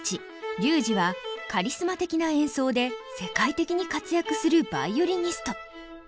龍仁はカリスマ的な演奏で世界的に活躍するヴァイオリニスト。